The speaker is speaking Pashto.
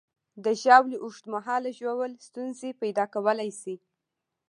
د ژاولې اوږد مهاله ژوول ستونزې پیدا کولی شي.